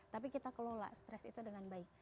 tapi kita kelola stres itu dengan baik